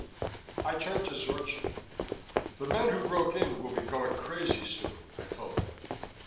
I turned to Zorchi. "The men who broke in will be going crazy soon," I told him.